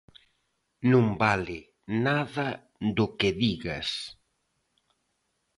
Non vale nada do que digas.